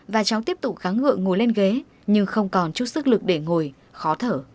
và cháu tiếp tục kháng ngựa ngồi lên ghế nhưng không còn chút sức lực để ngồi khó thở